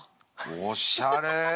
おっしゃれ。